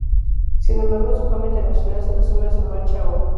Sin embargo su fama internacional se resume a su marcha Op.